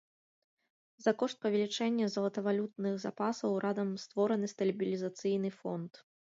За кошт павелічэння золатавалютных запасаў урадам створаны стабілізацыйны фонд.